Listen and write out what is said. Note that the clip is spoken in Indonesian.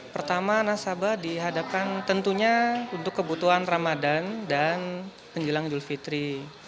pertama nasabah dihadapkan tentunya untuk kebutuhan ramadan dan penjelang julfitri